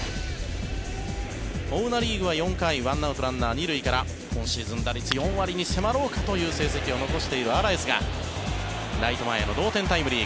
追うナ・リーグは４回１アウト、ランナー２塁から今シーズン打率４割に迫ろうとするアラエスがライト前への同点タイムリー